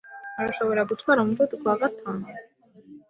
Urashobora gutwara umuvuduko wa gatanu?